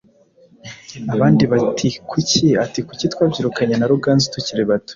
Abandi bati “Kuki?” ati “Kuko twabyirukanye na Ruganzu tukiri bato,